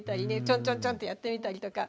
ちょんちょんちょんってやってみたりとか。